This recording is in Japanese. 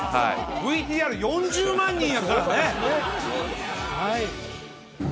ＶＴＲ４０万人やからね！